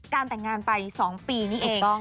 แต่งงานไป๒ปีนี้เอง